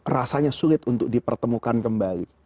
rasanya sulit untuk dipertemukan kembali